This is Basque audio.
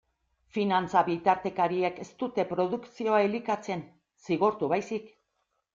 Finantza-bitartekariek ez dute produkzioa elikatzen, zigortu baizik.